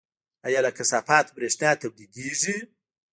آیا له کثافاتو بریښنا تولیدیږي؟